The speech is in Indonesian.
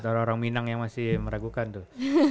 buat orang orang minang yang masih meragukan tuh